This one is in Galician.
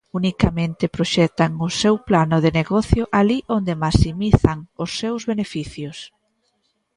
Unicamente proxectan o seu plano de negocio alí onde maximizan os seus beneficios.